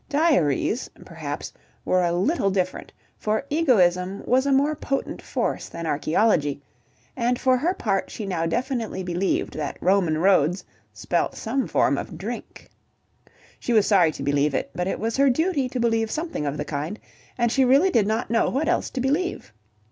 Diaries (perhaps) were a little different, for egoism was a more potent force than archæology, and for her part she now definitely believed that Roman roads spelt some form of drink. She was sorry to believe it, but it was her duty to believe something of the kind, and she really did not know what else to believe.